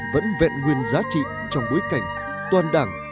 vẫn vẹn nguyên giá trị trong bối cảnh toàn đảng